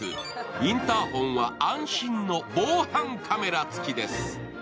インターホンは安心の防犯カメラ付きです。